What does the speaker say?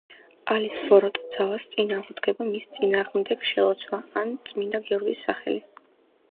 ალის ბოროტ ძალას წინ აღუდგება მის წინააღმდეგ შელოცვა ან წმინდა გიორგის სახელი.